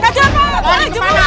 kajian pak maling jemuran